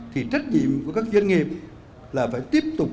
thì trách nhiệm của các doanh nghiệp là phải tiếp tục